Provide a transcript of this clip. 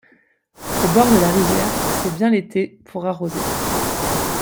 Au bord de la rivière, c’est bien l’été, pour arroser.